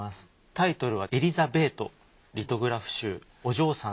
タイトルは『エリザベート』リトグラフ集『お嬢さん』。